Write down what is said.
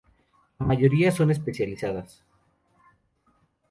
La mayoría son especializadas.